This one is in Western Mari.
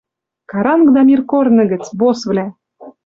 Карангда мир корны гӹц, боссвлӓ!